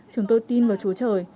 chúng tôi tin vào chúa trời